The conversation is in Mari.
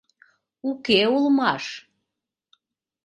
Уке улмаш.